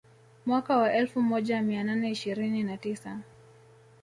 Mwaka wa elfu moja mia nane ishirini na tisa